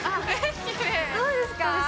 どうですか？